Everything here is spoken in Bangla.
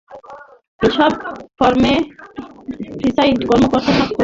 এসব ফরমে প্রিসাইডিং কর্মকর্তার স্বাক্ষর, নাম, ভোটকেন্দ্র, প্রাপ্ত ভোটসংখ্যাসংবলিত বিভিন্ন তথ্য রয়েছে।